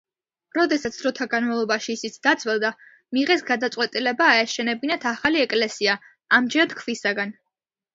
როდესაც დროთა განმავლობაში ისიც დაძველდა, მიიღეს გადაწყვეტილება აეშენებინათ ახალი ეკლესია, ამჯერად ქვისაგან.